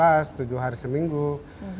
maka jumlah pengunjung kita masih banyak